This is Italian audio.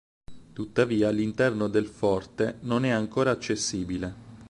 Tuttavia l'interno del forte non è ancora accessibile.